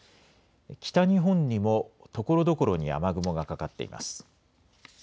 北日本にもところどころに雨雲がかかっています。